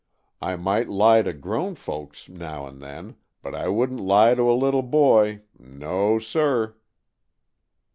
I might lie to grown folks now and then, but I wouldn't lie to a little boy. No, sir!"